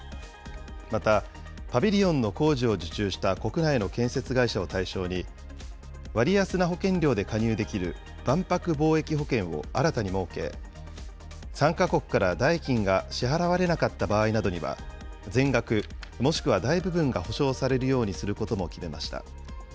また、パビリオンの工事を受注した国内の建設会社を対象に、割安な保険料で加入できる万博貿易保険を新たに設け、参加国から代金が支払われなかった場合などには、全額、もしくは大部分が補償されるようにすることも決めました。